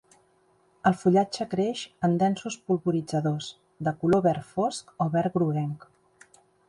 El fullatge creix en densos polvoritzadors, de color verd fosc a verd groguenc.